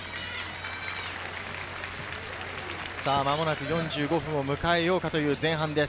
間もなく４５分を迎えようという前半です。